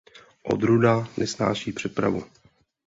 Odrůda nesnáší přepravu.